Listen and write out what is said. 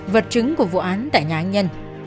vật chứng của vụ án tại nhà anh nhân